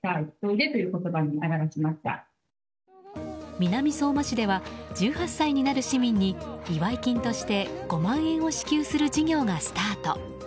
南相馬市では１８歳になる市民に祝い金として５万円を支給する事業をスタート。